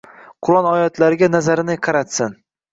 Qur’on oyatlariga nazarini qaratsin